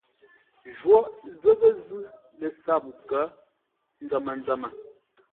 Jwóghʼ zə́ghʼə́ zʉ́ lə sáp nkə̌ nzəm-nzəmə.